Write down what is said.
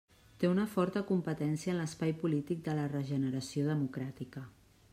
Té una forta competència en l'espai polític de la regeneració democràtica.